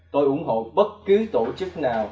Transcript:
tôi ủng hộ bất cứ tổ chức nào